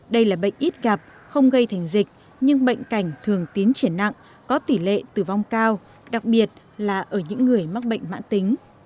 đây là bệnh ít gặp không gây thành dịch nhưng bệnh cảnh thường tiến triển nặng có tỷ lệ tử vong cao đặc biệt là ở những người mắc bệnh mãn tính